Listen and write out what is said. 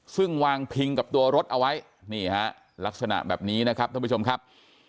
ซึ่งวางพิงกับตัวรถเอาไว้นี่ฮะลักษณะแบบนี้นะครับท่านผู้ชมครับ